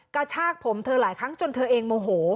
กระชากผมเธอหลายครั้งจนเธอเองโมโห